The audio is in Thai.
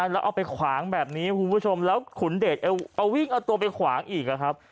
แล้วเอาไปขวางแบบนี้คุณผู้ชมแล้วขุนเดชเอาวิ่งเอาตัวไปขวางอีกครับ